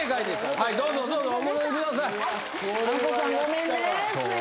はいどうぞどうぞお戻りください